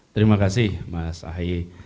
terima kasih mas ahie